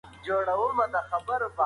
ګټه به هغه وخت زیاته شي چې ته کار وکړې.